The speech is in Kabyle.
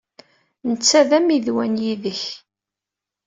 Netta d ammidwan yid-k?